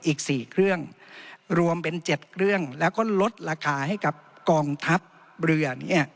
อีก๔เครื่องรวมเป็น๗เครื่องแล้วก็ลดราคาให้กับกองทัพเรือ